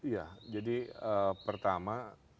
ya jadi pertama